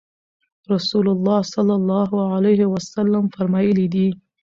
رسول الله صلی الله عليه وسلم فرمایلي دي: